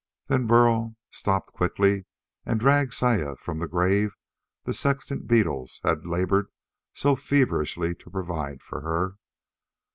Then Burl stopped quickly, and dragged Saya from the grave the sexton beetles had labored so feverishly to provide for her.